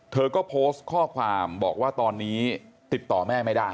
เธอก็โพสต์ข้อความบอกว่าตอนนี้ติดต่อแม่ไม่ได้